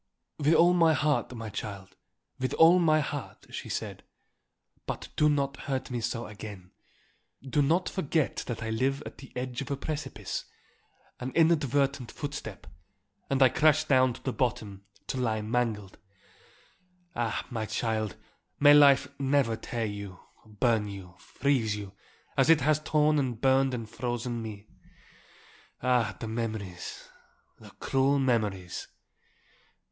"With all my heart, my child, with all my heart," she said. "But do not hurt me so again. Do not forget that I live at the edge of a precipice; an inadvertent footstep, and I crash down to the bottom, to lie mangled. Ah, my child, may life never tear you, burn you, freeze you, as it has torn and burned and frozen me. Ah, the memories, the cruel memories!"